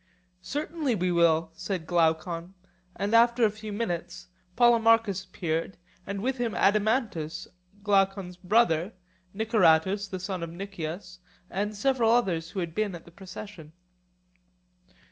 Certainly we will, said Glaucon; and in a few minutes Polemarchus appeared, and with him Adeimantus, Glaucon's brother, Niceratus the son of Nicias, and several others who had been at the procession.